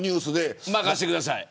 任してください。